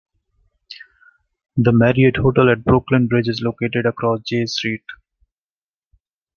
The Marriott Hotel at Brooklyn Bridge is located across Jay Street.